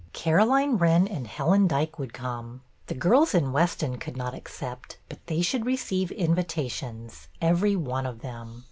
Caroline Wren and Helen Dyke would come. The girls in Weston could not accept, but they should re ceive invitations, every one of them.